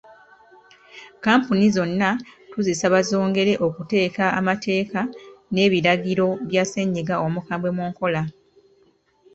Kkampuni zonna tuzisaba zongere okuteeka amateeka n’ebiragiro bya ssennyiga omukambwe mu nkola.